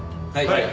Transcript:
はい。